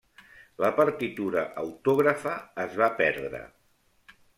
La partitura autògrafa es va perdre.